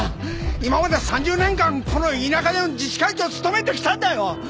今まで３０年間この田舎で自治会長を務めてきたんだよ！